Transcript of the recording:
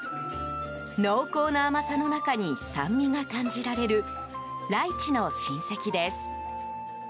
濃厚な甘さの中に酸味が感じられるライチの親戚です。